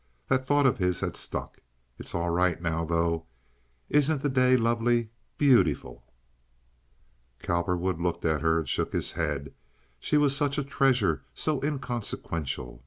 That thought of his had stuck. "It's all right now, though. Isn't the day lovely, be yoot i ful!" Cowperwood looked at her and shook his head. She was such a treasure—so inconsequential.